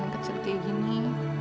yang kecil kayak gini